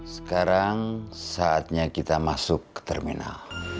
sekarang saatnya kita masuk ke terminal